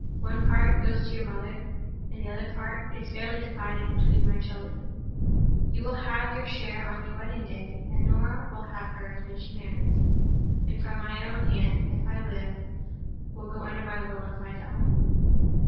One part goes to your mother; and the other part is fairly divided between my children. You will have your share on your wedding day (and Norah will have hers when she marries) from my own hand, if I live; and under my will if I die.